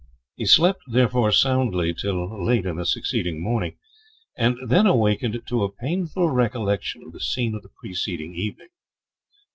He slept therefore soundly till late in the succeeding morning, and then awakened to a painful recollection of the scene of the preceding evening.